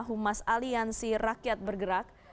humas aliansi rakyat bergerak